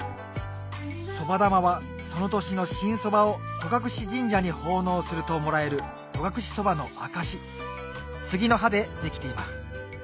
そば玉はその年の新そばを戸隠神社に奉納するともらえる戸隠そばの証しスギの葉でできています